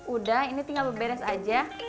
udah ini tinggal berberes aja